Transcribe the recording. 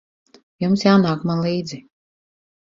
Jums jānāk man līdzi.